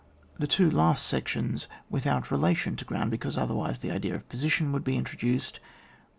The two last sections without relation to ground, because otherwise the idea of position would be introduced.